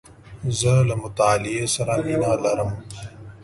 زه له مطالعې سره مینه لرم .